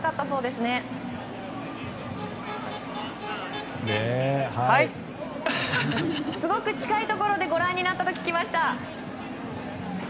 すごく近いところでご覧になったと聞きました。